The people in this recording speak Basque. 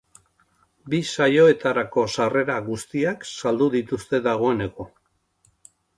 Bi saioetarako sarrera guztiak saldu dituzte dagoeneko.